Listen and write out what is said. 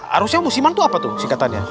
harusnya musiman itu apa tuh singkatannya